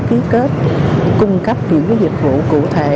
khi kết cung cấp những dịch vụ cụ thể